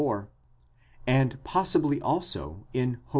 34), and possibly also in Hos.